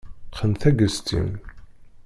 Qqen taggest-im.